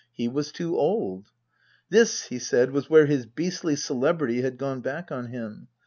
He was too old. This, he said, was where his beastly celebrity had gone back on him.